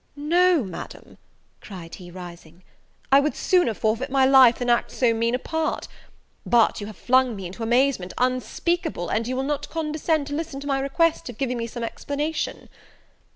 "No, Madam," cried he, rising: "I would sooner forfeit my life than act so mean a part. But you have flung me into amazement unspeakable, and you will not condescend to listen to my request of giving me some explanation."